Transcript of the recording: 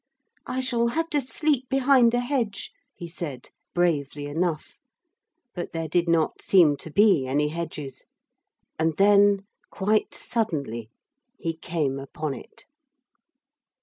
'I shall have to sleep behind a hedge,' he said bravely enough; but there did not seem to be any hedges. And then, quite suddenly, he came upon it.